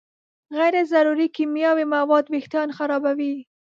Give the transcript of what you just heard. غیر ضروري کیمیاوي مواد وېښتيان خرابوي.